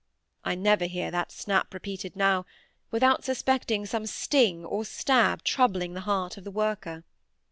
I never hear that snap repeated now, without suspecting some sting or stab troubling the heart of the worker.